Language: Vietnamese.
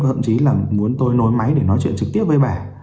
thậm chí là muốn tôi nối máy để nói chuyện trực tiếp với bà